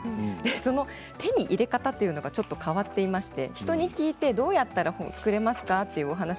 その手に入れ方というのはちょっと変わっていて人に聞いてどうやって作れますか？と聞くんです。